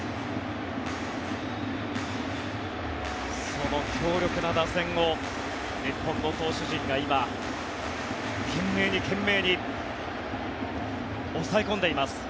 その強力な打線を日本の投手陣が今懸命に、懸命に抑え込んでいます。